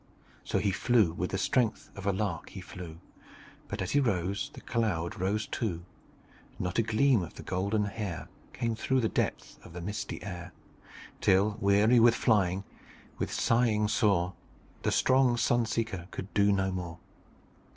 "So he flew, with the strength of a lark he flew. But as he rose, the cloud rose too; And not a gleam of the golden hair Came through the depth of the misty air; Till, weary with flying, with sighing sore, The strong sun seeker could do no more.